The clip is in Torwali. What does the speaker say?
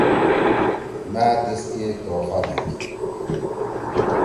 مأ تیس کی تحفہ دیِد۔